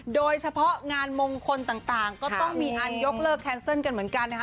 โดยเฉพาะงานมงคลต่างก็ต้องมีอันยกเลิกแคนเซิลกันเหมือนกันนะคะ